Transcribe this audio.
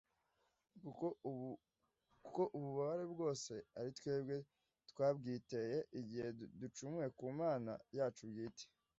kuko ubu bubabare bwose ari twebwe twabwiteye igihe ducumuye ku mana yacu bwite